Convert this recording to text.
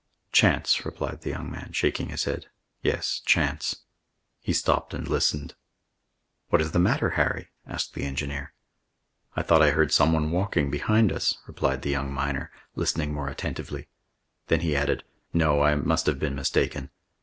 "Chance," replied the young man, shaking his head. "Yes, chance." He stopped and listened. "What is the matter, Harry?" asked the engineer. "I thought I heard someone walking behind us," replied the young miner, listening more attentively. Then he added, "No, I must have been mistaken.